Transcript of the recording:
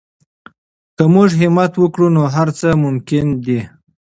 که موږ همت وکړو نو هر څه ممکن دي.